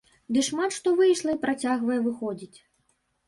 Ды шмат што выйшла і працягвае выходзіць.